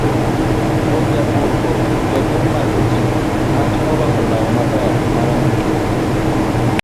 wuon nyamburko, jaduong' ma oti mane orwako law maber ma rambulu